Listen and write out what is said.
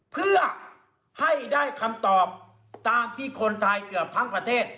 เพื่อให้ได้คำตอบตามที่คนไทยเกือบทั้งประเทศ